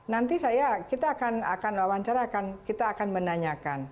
nanti saya kita akan wawancara kita akan menanyakan